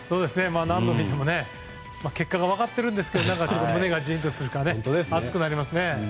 何度見ても結果は分かってるんですが胸がジーンとするというか熱くなりますね。